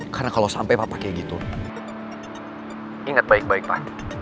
karena kalau sampai papa kayak gitu inget baik baik pa